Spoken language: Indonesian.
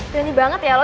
gini banget ya lo